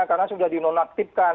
karena sudah dinonaktifkan